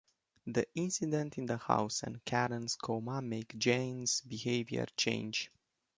The incident in the house and Karen's coma make Jane's behaviour change.